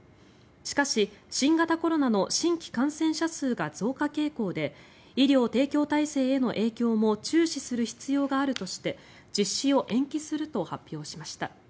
しかし、新型コロナの新規感染者数が増加傾向で医療提供体制への影響も注視する必要があるとして実施を延期すると発表しました。